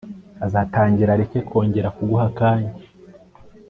azatangira areke kongera kuguha akanya